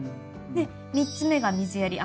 で３つ目が水やり。